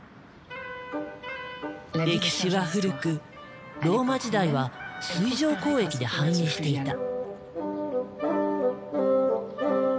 歴史は古くローマ時代は水上交易で繁栄していた。